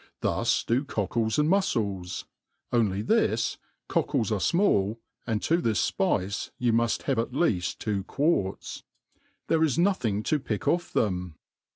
Thus do cockles and mufcles; only this, copkles are fmalJ, and to this fpice you muft have at leaft two quarts. There is nothing to pick ofi^ them.